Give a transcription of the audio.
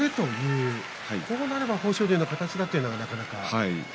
こうなれば豊昇龍の形というのが、なかなか。